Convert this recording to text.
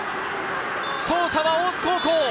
勝者は大津高校！